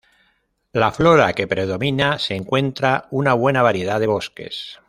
La flora que predomina se encuentra una buena variedad de bosques.